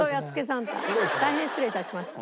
大変失礼致しました。